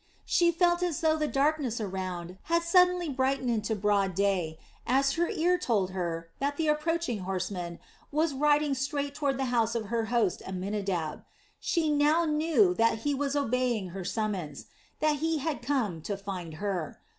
She felt as though the darkness around had suddenly brightened into broad day, as her ear told her that the approaching horseman was riding straight toward the house of her host Amminadab. She now knew that he was obeying her summons, that he had come to find her.